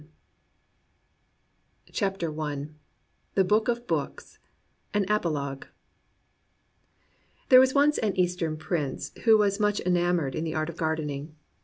THE BOOK OF BOOKS THE BOOK OF BOOKS An Apologue J. HERE was once an Eastern prince who was much enamoured of the art of gardening.